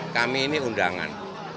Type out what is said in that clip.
kami ini undangan